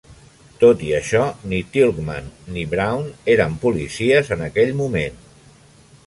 Tot i això, ni Tilghman ni Brown eren policies en aquell moment.